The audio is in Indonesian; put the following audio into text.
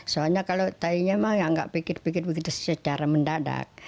soalnya kalau tainya mah ya nggak pikir pikir begitu secara mendadak